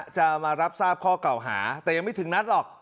จะมารับทราบข้อเก่าหาแต่ยังไม่ถึงนัดหรอก